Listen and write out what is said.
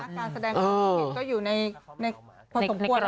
การแสดงของคุณกิจก็อยู่ในความสมควร